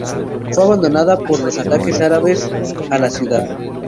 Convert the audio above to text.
Fue abandonada por los ataques árabes a la ciudad.